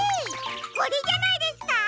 これじゃないですか？